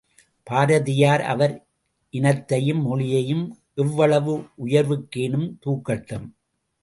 பாரதியார் அவர் இனத்தையும் மொழியையும் எவ்வளவு உயர்வுக்கேனும் தூக்கட்டும்.